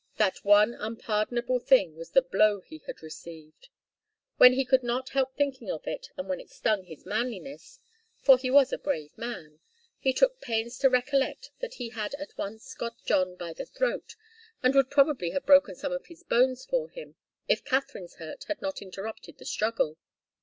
That one unpardonable thing was the blow he had received. When he could not help thinking of it, and when it stung his manliness for he was a brave man he took pains to recollect that he had at once got John by the throat, and would probably have broken some of his bones for him, if Katharine's hurt had not interrupted the struggle.